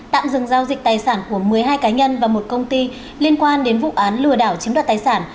tạm dừng giao dịch tài sản của một mươi hai cá nhân và một công ty liên quan đến vụ án lừa đảo chiếm đoạt tài sản